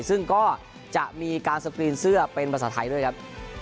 ซึ่งก็จะมีการสกรีนเสื้อเป็นภาษาไทยด้วยครับ